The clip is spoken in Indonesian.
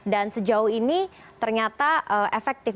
dan sejauh ini ternyata efektif